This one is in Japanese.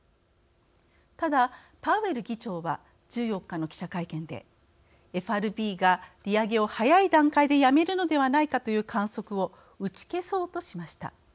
ただ、パウエル議長は１４日の記者会見で、ＦＲＢが利上げを早い段階でやめるのではないかという観測を打ち消そうとしました。